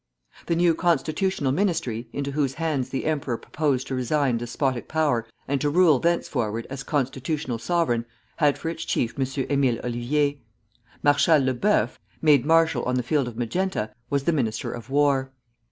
[Footnote 1: Blackwood's Magazine.] The new constitutional ministry, into whose hands the emperor proposed to resign despotic power and to rule thenceforward as constitutional sovereign, had for its chief M. Émile Ollivier; Marshal Le Boeuf (made marshal on the field of Magenta) was the Minister of War.